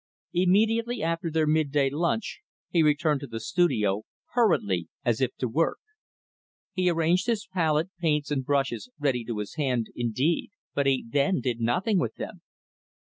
Immediately after their midday lunch, he returned to the studio hurriedly, as if to work. He arranged his palette, paints, and brushes ready to his hand, indeed but he, then, did nothing with them.